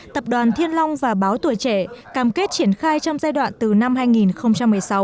tập đoàn thiên long và báo tuổi trẻ cam kết triển khai trong giai đoạn từ năm hai nghìn một mươi sáu